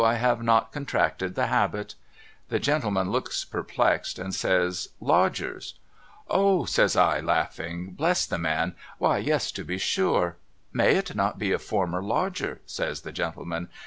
I have not contracted the habit.' The gentleman looks perplexed and says ' Lodgers !' THE MAJOR IS EXCITED 367 ' Oh !' says I laughing. ' Bless the man ! Why yes to be sure !'' May it not be a former lodger ?' says the gentleman.